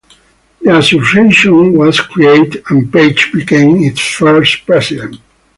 The association was created and Page became its first president.